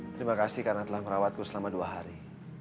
terima kasih karena telah merawatku selama dua hari